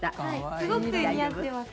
すごく似合ってます。